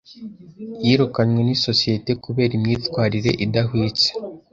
Yirukanwe n’isosiyete kubera imyitwarire idahwitse.